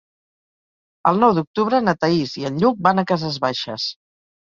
El nou d'octubre na Thaís i en Lluc van a Cases Baixes.